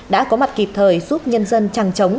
đã có mặt kịp thời giúp nhân dân trăng trống